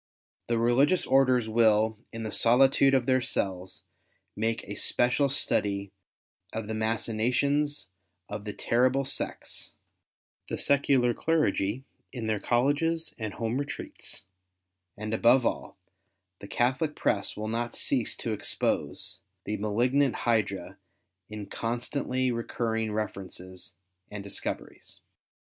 The religious orders Avill, in the solitude of tlieir cells, make a special study of the machinations of the terrible sects, the secular clergy in their Colleges and home retreats, and above all, the Catholic press Avill not cease to expose the malig nant hydra in constantly recurriLg references and discoveries.